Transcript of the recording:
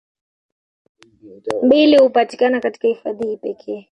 Mbili hupatikana katika hifadhi hii pekee